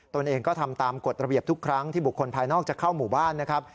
ตัวเองก็ทำตามกฎระเบียบทุกครั้งที่บุคคลภายนอกจะเข้าหมู่บ้านนะครับ